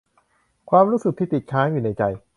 ความรู้สึกที่ติดค้างอยู่ในใจ